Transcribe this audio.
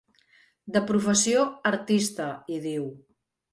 De professió, artista, hi diu.